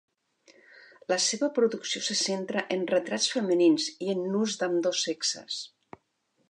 La seva producció se centra en retrats femenins i en nus d'ambdós sexes.